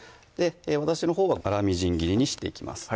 私のほうは粗みじん切りにしていきます